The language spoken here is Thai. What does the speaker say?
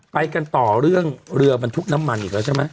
ไปกันต่อเรื่องเรือบรรทุกน้ำมันอีกแล้วใช่ไหม